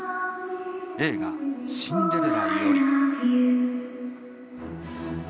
映画『シンデレラ』より。